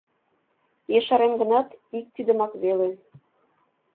Ешарем гынат, ик тидымак веле...